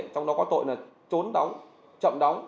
trong đó có tội là trốn đóng chậm đóng